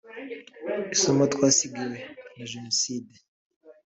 ““Isomo twasigiwe na Jenoside